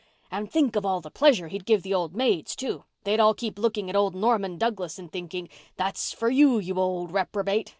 And think of all the pleasure he'd give the old maids, too. They'd all keep looking at old Norman Douglas and thinking, 'That's for you, you old reprobate.